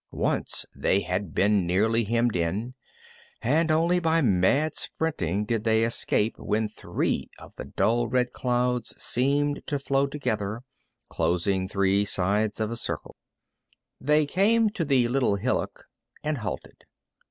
Once they had been nearly hemmed in, and only by mad sprinting did they escape when three of the dull red clouds seemed to flow together, closing three sides of a circle. They came to the little hillock and halted.